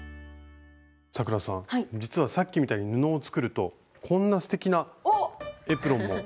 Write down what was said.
咲楽さん実はさっきみたいに布を作るとこんなすてきなエプロンも作ることができるんですよ。